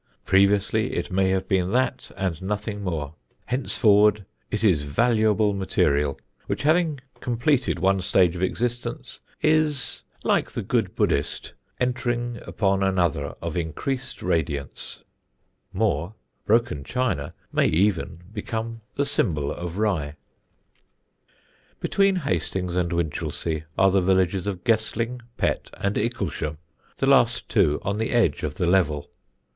Previously it may have been that and nothing more; henceforward it is valuable material which, having completed one stage of existence, is, like the good Buddhist, entering upon another of increased radiance. More, broken china may even become the symbol of Rye. [Illustration: Court Lodge, Udimore.] [Sidenote: PETT AND ICKLESHAM] Between Hastings and Winchelsea are the villages of Guestling, Pett, and Icklesham, the last two on the edge of the Level.